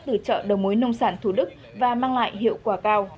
từ chợ đầu mối nông sản thủ đức và mang lại hiệu quả cao